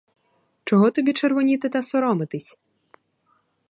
Чого тобі червоніти та соромитись?